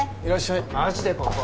マジでここ？